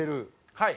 はい。